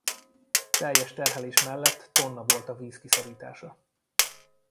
Teljes terhelés mellett tonna volt a vízkiszorítása.